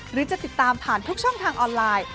หรือจะติดตามผ่านทุกช่องทางออนไลน์